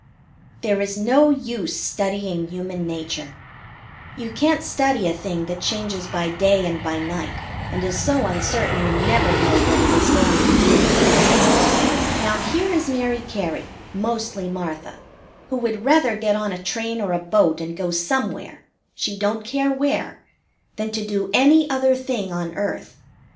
There is no use studying Human Nature. You can't study a thing that changes by day and by night, and is so uncertain you never know what it is going to do. Now, here is Mary Cary, mostly Martha, who would rather get on a train or a boat and go somewhere she don't care where than to do any other thing on earth.